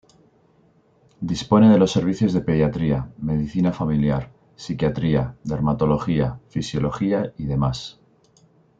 Dispone de los servicios de pediatría, medicina familiar, psiquiatría, dermatología, fisiología y demás.